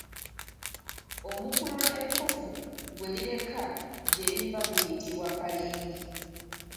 Omukululo ekkovu gwe lireka gye liva guyitibwa Kalindi.